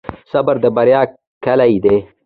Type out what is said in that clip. صبر د بریا کیلي ده؟